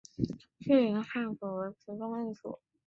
细银汉鱼属为辐鳍鱼纲银汉鱼目银汉鱼科的其中一属。